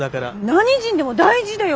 何人でも大事だよ